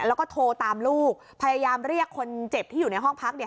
แล้วก็โทรตามลูกพยายามเรียกคนเจ็บที่อยู่ในห้องพักเนี่ย